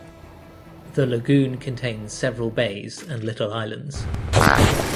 The lagoon contains several bays and little islands.